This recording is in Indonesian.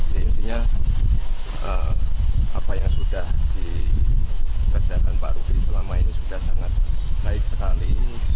jadi intinya apa yang sudah dikerjakan pak rudy selama ini sudah sangat baik sekali